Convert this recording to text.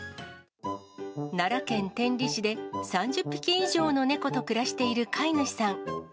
奈良県天理市で、３０匹以上の猫と暮らしている飼い主さん。